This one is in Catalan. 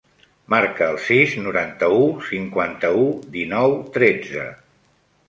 Marca el sis, noranta-u, cinquanta-u, dinou, tretze.